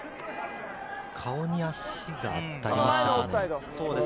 顔に足が当たりましたかね？